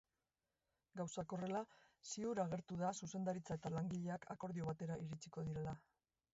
Gauzak horrela, ziur agertu da zuzendaritza eta langileak akordio batera iritsiko direla.